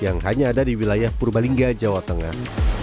yang hanya ada di wilayah purbalingga jawa tengah